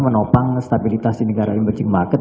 menopang stabilitas di negara emerging market